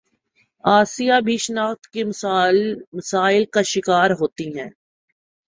آسیہ بھی شناخت کے مسائل کا شکار ہوتی ہے